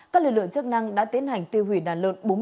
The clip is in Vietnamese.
các lực lượng chức năng đã tiến hành tiêu hủy đàn lợn